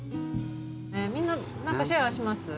みんな何かシェアします？